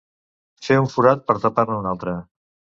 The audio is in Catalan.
Fer un forat per tapar-ne un altre.